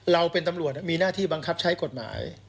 เราเป็นตำรวจมีหน้าที่บังคับใช้กฎหมาย